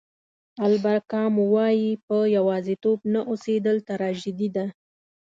البر کامو وایي په یوازېتوب نه اوسېدل تراژیدي ده.